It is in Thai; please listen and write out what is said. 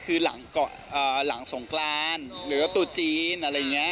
คือหลังสงกรานหรือว่าตัวจีนอะไรอย่างนี้